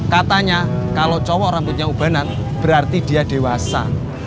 katanya kalau cowok rambutnya ubanan berarti dia dewasa